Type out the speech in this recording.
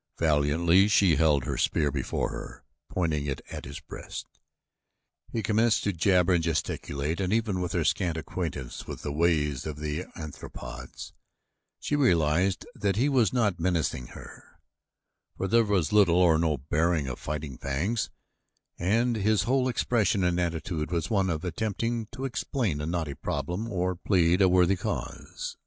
Valiantly she held her spear before her, pointing it at his breast. He commenced to jabber and gesticulate, and even with her scant acquaintance with the ways of the anthropoids, she realized that he was not menacing her, for there was little or no baring of fighting fangs and his whole expression and attitude was of one attempting to explain a knotty problem or plead a worthy cause.